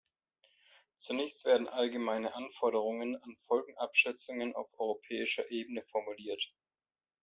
Zunächst werden allgemeine Anforderungen an Folgenabschätzungen auf europäischer Ebene formuliert.